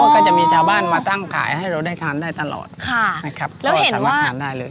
อ๋อก็จะมีทาบ้านมาตั้งขายให้เราได้ทานได้ตลอดค่ะนะครับแล้วเห็นว่าสามารถทานได้เลย